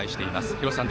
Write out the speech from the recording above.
廣瀬さん